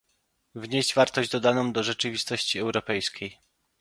wnieść wartość dodaną do rzeczywistości europejskiej